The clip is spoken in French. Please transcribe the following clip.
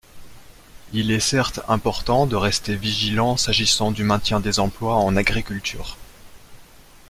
Il est certes important de rester vigilant s’agissant du maintien des emplois en agriculture.